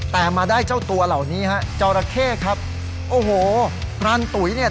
แต่มาได้เจ้าตัวเหล่านี้ฮะจอราเข้ครับโอ้โหพรานตุ๋ยเนี่ย